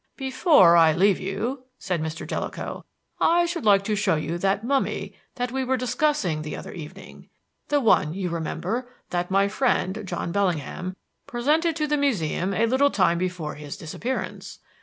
"Before I leave you," said Mr. Jellicoe, "I should like to show you that mummy that we were discussing the other evening; the one, you remember, that my friend, John Bellingham, presented to the Museum a little time before his disappearance.